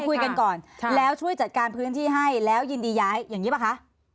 คุยกันก่อนแล้วช่วยจัดการพื้นที่ให้แล้วยินดีย้ายอย่างนี้ป่ะคะ